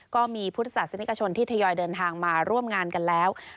ก็มีพุทธศาสนิกชนที่ทยอยเดินทางมาร่วมงานกันแล้ว